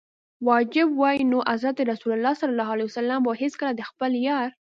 واجب وای نو حضرت رسول ص به هیڅکله د خپل یار.